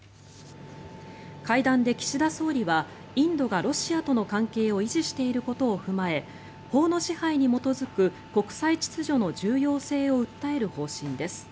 会談で岸田総理はインドがロシアとの関係を維持していることを踏まえ法の支配に基づく国際秩序の重要性を訴える方針です。